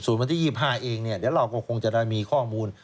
วันที่๒๕เองเดี๋ยวเราก็คงจะได้มีข้อมูล